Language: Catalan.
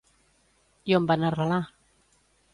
I on van arrelar?